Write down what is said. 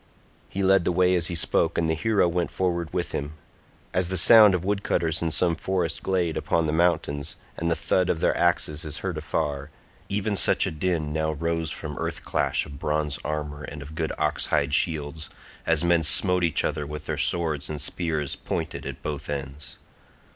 He led the way as he spoke and the hero went forward with him. As the sound of woodcutters in some forest glade upon the mountains—and the thud of their axes is heard afar—even such a din now rose from earth clash of bronze armour and of good ox hide shields, as men smote each other with their swords and spears pointed at both ends.